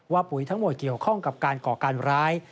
ปุ๋ยทั้งหมดเกี่ยวข้องกับการก่อการร้าย